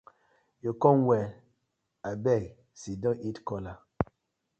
Yu com well, abeg siddon eat kola.